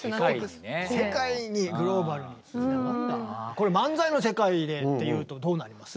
これ漫才の世界でっていうとどうなります？